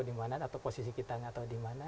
di mana atau posisi kita nggak tahu di mana